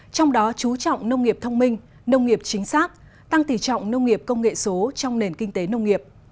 trong đó chú trọng nông nghiệp thông minh nông nghiệp chính xác tăng tỉ trọng nông nghiệp công nghệ số trong nền kinh tế nông nghiệp